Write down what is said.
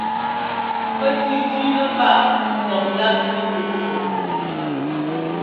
Pɛ́ tʉ́tʉ́nɛ́ páꞌ ńdɔk ŋ́gá mɛkuꞌ fɔɔ.